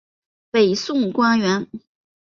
北宋官员。